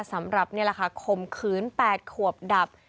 สำหรับเนี้ยแหละค่ะขมขืนแปดขวบดับ